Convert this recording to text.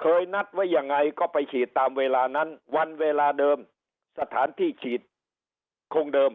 เคยนัดไว้ยังไงก็ไปฉีดตามเวลานั้นวันเวลาเดิมสถานที่ฉีดคงเดิม